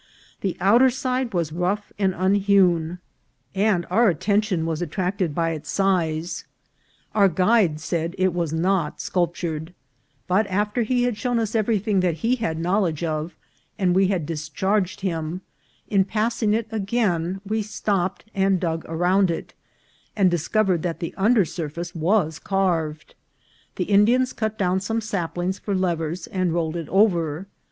The outer side was rough and unhewn, and our attention was attract Plnne !*t»iivi in front ort':wa >\«. 2. •. SeaJe of foek DISCOVERY OF A STATUE. 349 ed by its size; our guide said it was not sculptur ed ; but, after he had shown us everything that he had knowledge of, and we had discharged him, in passing it again we stopped and dug around it, and discovered that the under surface was carved. The Indians cut down some saplings for levers, and rolled it over.